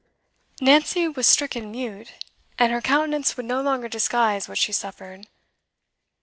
Nancy was stricken mute, and her countenance would no longer disguise what she suffered.